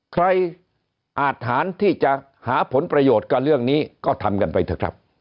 อาทหารที่จะหาผลประโยชน์กับเรื่องนี้ก็ทำกันไปเถอะครับ